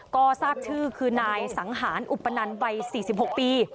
ก็ทราบชื่อคือนายสังหารอุปนันวัย๔๖ปี